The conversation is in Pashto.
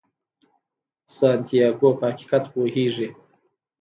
سانتیاګو په حقیقت پوهیږي.